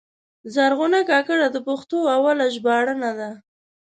زرغونه کاکړه د پښتو اوله ژباړنه ده.